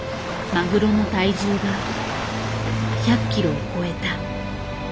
マグロの体重が１００ｋｇを超えた。